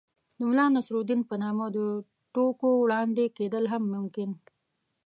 د ملا نصر الدين په نامه د ټوکو وړاندې کېدل هم ممکن